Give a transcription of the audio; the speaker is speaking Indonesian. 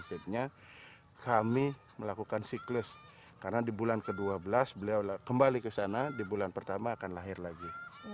karena kami melakukan siklus karena di bulan ke dua belas beliau kembali ke sana di bulan pertama akan lahir lagi